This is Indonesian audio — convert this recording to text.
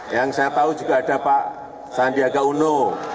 yang saya tahu juga ada pak sandiaga uno